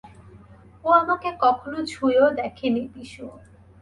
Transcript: ও আমাকে কখনও ছুঁয়েও দেখেনি, বিশু।